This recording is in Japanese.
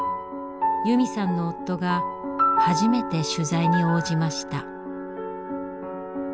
由美さんの夫が初めて取材に応じました。